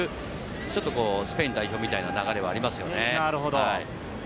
ちょっとスペイン代表みたいな流れはありますよね。